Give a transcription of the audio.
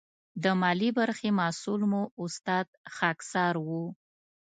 د مالي برخې مسؤل مو استاد خاکسار و.